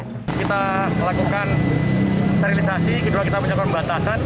kita lakukan sterilisasi kedua kita melakukan pembatasan